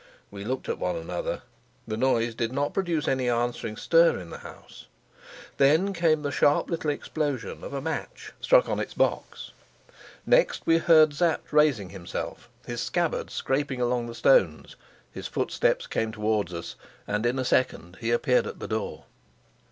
We looked at one another; the noise did not produce any answering stir in the house; then came the sharp little explosion of a match struck on its box; next we heard Sapt raising himself, his scabbard scraping along the stones; his footsteps came towards us, and in a second he appeared at the door.